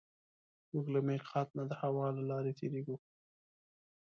موږ له مېقات نه د هوا له لارې تېرېږو.